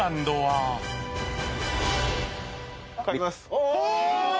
お！